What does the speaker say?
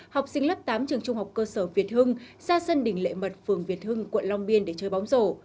học sinh lớp tám trường trung học cơ sở việt hưng xa sân đỉnh lệ mật phường việt hưng quận long biên để chơi bóng rổ